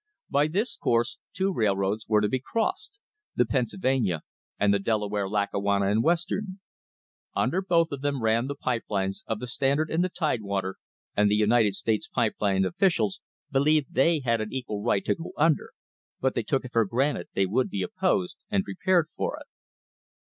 By this course two railroads were to be crossed, the Pennsylvania and the Dela ware, Lackawanna and Western. Under both of them ran the pipe lines of the Standard and the Tidewater, and the United States Pipe Line officials believed they had an equal right to go under, but they took it for granted they would be opposed, and prepared for it.